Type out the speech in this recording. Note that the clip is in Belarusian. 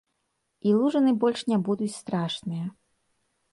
І лужыны больш не будуць страшныя.